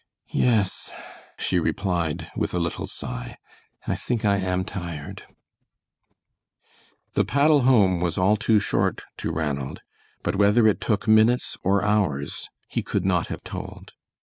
"Yes," she replied, with a little sigh, "I think I am tired." The paddle home was all too short to Ranald, but whether it took minutes or hours he could not have told.